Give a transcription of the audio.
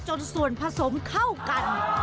จนส่วนผสมเข้ากัน